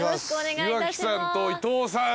岩城さんと伊藤さん